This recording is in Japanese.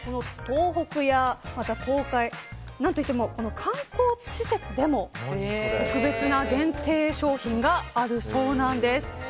東北や東海何といっても観光施設でも特別な限定商品があるそうなんです。